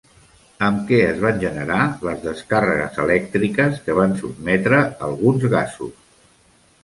Amb què es van generar les descàrregues elèctriques que van sotmetre alguns gasos?